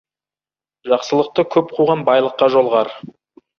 Жақсылықты көп қуған байлыққа жолығар.